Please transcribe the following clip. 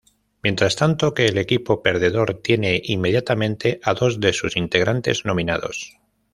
Mientras tanto que el equipo perdedor tiene inmediatamente a dos de sus integrantes nominados.